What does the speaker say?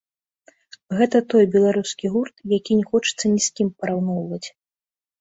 Гэта той беларускі гурт, які не хочацца ні з кім параўноўваць.